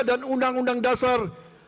dan undang undang dasar